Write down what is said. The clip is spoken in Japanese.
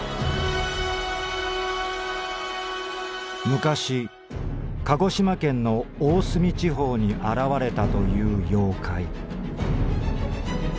「昔鹿児島県の大隅地方に現れたという妖怪」。